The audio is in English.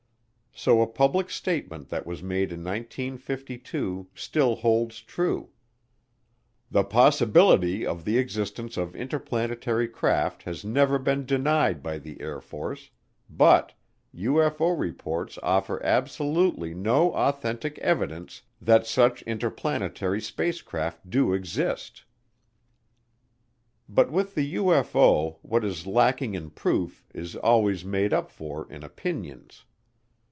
So a public statement that was made in 1952 still holds true: "The possibility of the existence of interplanetary craft has never been denied by the Air Force, but UFO reports offer absolutely no authentic evidence that such interplanetary spacecraft do exist." But with the UFO, what is lacking in proof is always made up for in opinions.